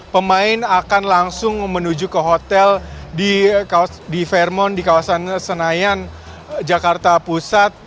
pemain akan langsung menuju ke hotel di fairmont di kawasan senayan jakarta pusat